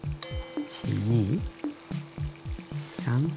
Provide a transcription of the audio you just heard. １２３４。